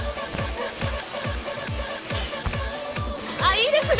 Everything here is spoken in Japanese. いいですね。